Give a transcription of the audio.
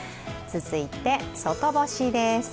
続いて、外干しです。